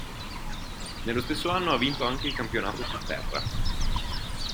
Nello stesso anno ha vinto anche il campionato su terra.